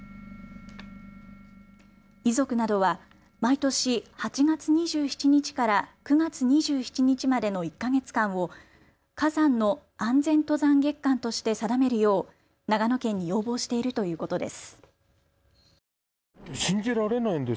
遺族などは毎年８月２７日から９月２７日までの１か月間を火山の安全登山月間として定めるよう長野県に要望しているということです。